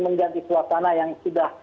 mengganti suasana yang sudah